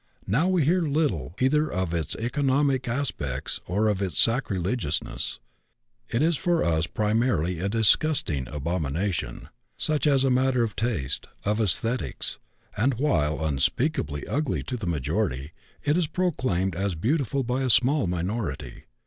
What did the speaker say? Now we hear little either of its economic aspects or of its sacrilegiousness; it is for us primarily a disgusting abomination, i.e., a matter of taste, of esthetics; and, while unspeakably ugly to the majority, it is proclaimed as beautiful by a small minority.